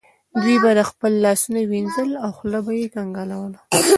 دوی به خپل لاسونه وینځل او خوله به یې کنګالوله.